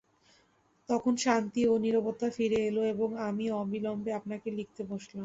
তখন শান্তি ও নীরবতা ফিরে এল এবং আমি অবিলম্বে আপনাকে লিখতে বসলাম।